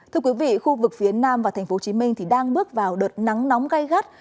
thưa quý vị khu vực phía nam và tp hcm đang bước vào đợt nắng nóng gây gắt